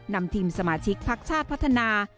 นำทีมสมาชิกพักชาติพัฒนา